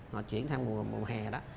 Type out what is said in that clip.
mà chuyển sang mùa hè đó